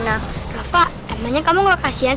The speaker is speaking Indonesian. oh pak rt terus tahan